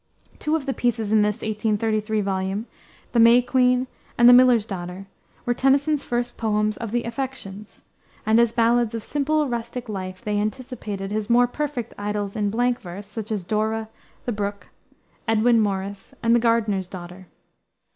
Two of the pieces in this 1833 volume, the May Queen and the Miller's Daughter, were Tennyson's first poems of the affections, and as ballads of simple, rustic life, they anticipated his more perfect idyls in blank verse, such as Dora, the Brook, Edwin Morris, and the Gardener's Daughter.